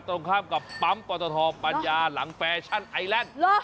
ตรงข้ามกับปั๊มปตทปัญญาหลังแฟชั่นไอแลนด์